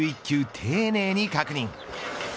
丁寧に確認。